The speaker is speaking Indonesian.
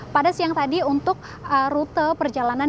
pada siang tadi untuk rute perjalanan